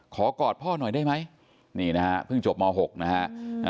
ขอกอดพ่อหน่อยได้ไหมนี่นะครับเพิ่งจบม๖นะครับ